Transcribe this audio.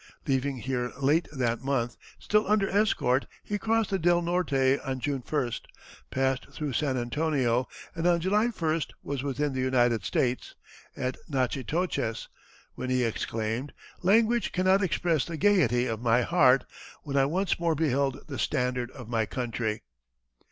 Leaving here late that month, still under escort, he crossed the Del Norte on June 1st, passed through San Antonio, and on July 1st was within the United States, at Natchitoches, when he exclaimed "Language cannot express the gayety of my heart, when I once more beheld the standard of my country!"